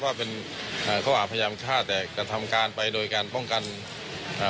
ว่าเป็นอ่าเขาอาจพยายามฆ่าแต่กระทำการไปโดยการป้องกันอ่า